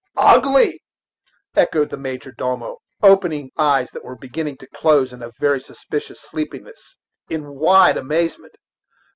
"Ugly!" echoed the major domo, opening eyes that were beginning to close in a very suspicious sleepiness, in wide amazement.